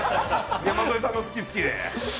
山添さんの「好き、好き」で。